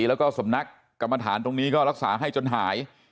แล้วก็สำนักกรรมฐานตรงนี้ก็รักษาให้จนหาย